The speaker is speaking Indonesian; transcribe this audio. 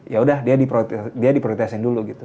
ya udah dia diprioritasin dulu gitu